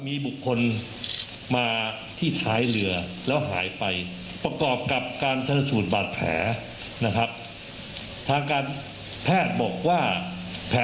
ตกลงจากเรือแล้วขาก็สันนิษฐานว่า